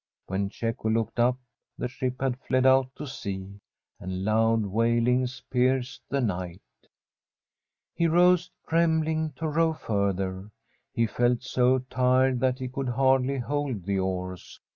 When Cecco looked up the ship had fled out to sea, and loud wailings pierced the night. He rose, trembling to row further. He felt so tired that he could hardly hold the oars.